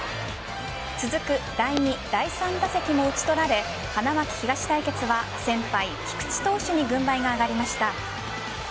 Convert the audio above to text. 続く第２、第３打席も打ち取られ花巻東対決は先輩・菊池投手に軍配が上がりました。